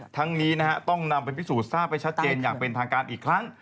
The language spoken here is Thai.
ทั้งนี้ฯต้องพิสูจน์ท่ายไปชัดเจนอย่างเป็นทางการอีกครั้ง